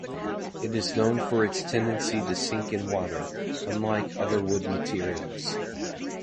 It is known for its tendency to sink in water, unlike other wood materials.